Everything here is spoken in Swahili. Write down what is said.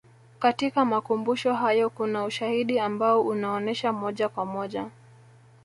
katika makumbusho hayo kuna ushahidi ambao unaonesha moja kwa moja